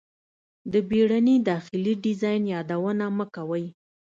د بیړني داخلي ډیزاین یادونه مه کوئ